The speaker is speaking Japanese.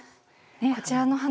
こちらの花